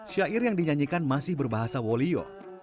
syair yang dinyanyikan masih berbahasa wolio